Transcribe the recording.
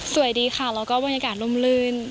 สวัสดีค่ะแล้วก็บรรยากาศร่มลื่น